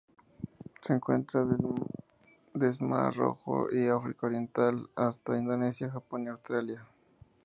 Se encuentra des del Mar Rojo y África Oriental hasta Indonesia, Japón y Australia.